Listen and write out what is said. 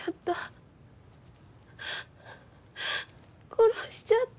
殺しちゃった。